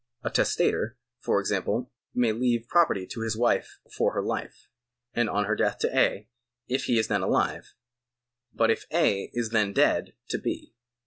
A testator, for example, may leave property to his wife for her life, and on her death to A., if he is then alive, but if A. is then dead, to B.